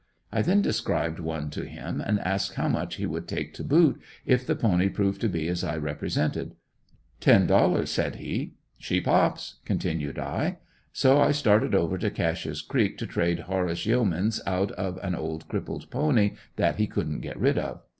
I then described one to him and asked how much he would take to boot if the pony proved to be as I represented? "Ten dollars" said he; "she pops" continued I. So I started over to Cashe's creek to trade Horace Yeamans out of an old crippled pony that he couldn't get rid of.